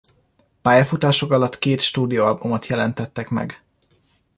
Pályafutásuk alatt két stúdióalbumot jelentettek meg.